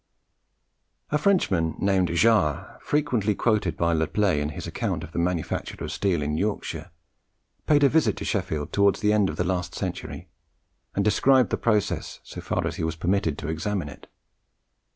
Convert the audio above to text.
A Frenchman named Jars, frequently quoted by Le Play in his account of the manufacture of steel in Yorkshire, paid a visit to Sheffield towards the end of last century, and described the process so far as he was permitted to examine it.